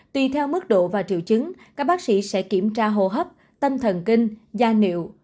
tùy theo mức độ và triệu chứng các bác sĩ sẽ kiểm tra hồ hấp tâm thần kinh da niệu